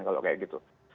kalau kayak gitu